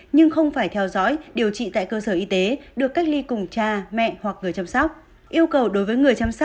nhưng không phải theo dõi điều trị tại cơ sở y tế được cách ly cùng cha mẹ hoặc người chăm sóc